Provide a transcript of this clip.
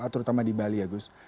terutama di bali ya gus